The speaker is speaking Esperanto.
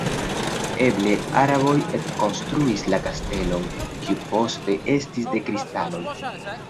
Eble araboj ekkonstruis la kastelon, kiu poste estis de kristanoj.